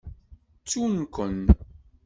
Ttun-ken.